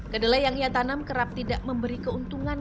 kedelai yang ia tanam kerap tidak memberi keuntungan